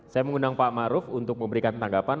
saya mengundang pak maruf untuk memberikan tanggapan